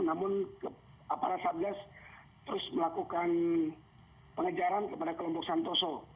namun aparat satgas terus melakukan pengejaran kepada kelompok santoso